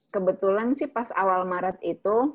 kebetulan sih pas awal maret itu